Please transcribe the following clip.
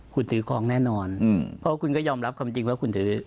คุณถือของแน่นอนเพราะคุณก็ยอมรับความจริงว่าคุณถือ